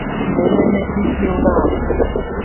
ميلي ميݩ ڪيٚ ڪيٚ هُݩدو۔